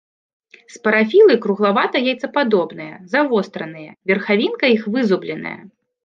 Спарафілы круглавата-яйцападобныя, завостраныя, верхавінка іх вызубленая.